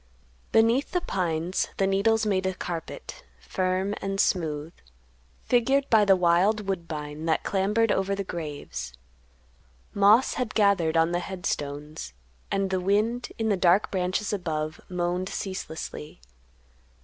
Beneath the pines the needles made a carpet, firm and smooth, figured by the wild woodbine that clambered over the graves; moss had gathered on the head stones, and the wind, in the dark branches above, moaned ceaselessly.